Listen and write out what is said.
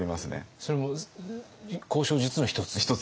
それも交渉術の一つ？